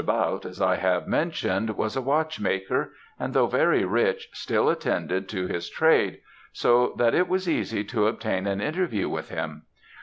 Bautte, as I have mentioned, was a watchmaker; and though very rich, still attended to his trade, so that it was easy to obtain an interview with him.